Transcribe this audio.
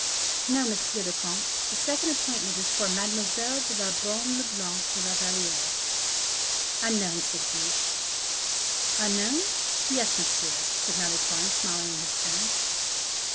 "No, monsieur le comte; the second appointment is for Mademoiselle de la Baume le Blanc de la Valliere." "Unknown," said De Guiche. "Unknown? yes, monsieur," said Malicorne, smiling in his turn.